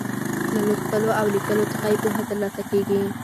له لوستلو او ليکلو څخه يې پوهه تر لاسه کیږي.